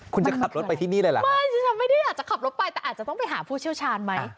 คุณจะขับรถไปที่นี่เลยล่ะไม่ฉันไม่ได้อยากจะขับรถไปแต่อาจจะต้องไปหาผู้เชี่ยวชาญไหม